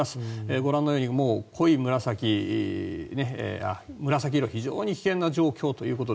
ご覧のように濃い紫色非常に危険な状況です。